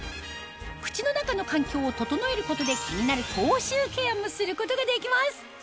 口の中の環境を整えることで気になる口臭ケアもすることができます